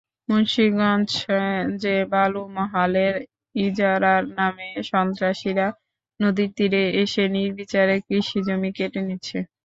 মুন্সিগঞ্জে বালুমহালের ইজারার নামে সন্ত্রাসীরা নদীর তীরে এসে নির্বিচারে কৃষিজমি কেটে নিচ্ছে।